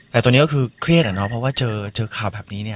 แต่ตัวนี้ก็คือเครียดรันครับเจอข่าวแบบนี้เนี่ย